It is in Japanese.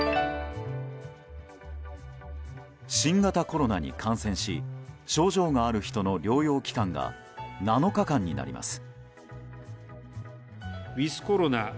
新型コロナに感染し症状がある人の療養期間が７日間になります。